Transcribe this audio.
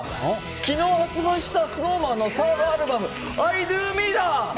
昨日発売したＳｎｏｗＭａｎのサードアルバム「ｉＤＯＭＥ」だ！